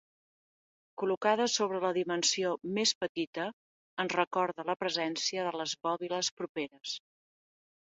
Col·locades sobre la dimensió més petita ens recorda la presència de les bòbiles properes.